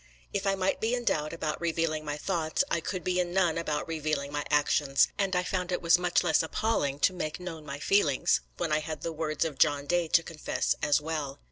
If I might be in doubt about revealing my thoughts, I could be in none about revealing my actions; and I found it was much less appalling to make known my feelings, when I had the words of John Day to confess as well.